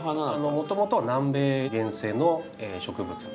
もともとは南米原生の植物。